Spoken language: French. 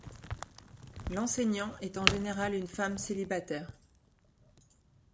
L'enseignant est en général une femme célibataire.